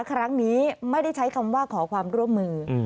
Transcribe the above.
ครั้งนี้ไม่ได้ใช้คำว่าขอความร่วมมือ